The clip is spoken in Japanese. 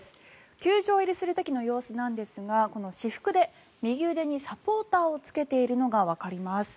球場入りする時の姿なんですがこの私服で右腕にサポーターを着けているのがわかります。